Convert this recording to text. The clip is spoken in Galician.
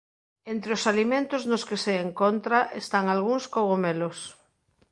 Entre os alimentos nos que se encontra están algúns cogomelos.